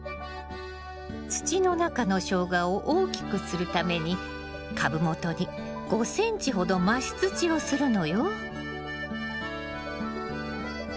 土の中のショウガを大きくするために株元に５ｃｍほど増し土をするのよ。